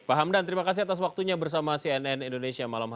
pak hamdan terima kasih atas waktunya bersama cnn indonesia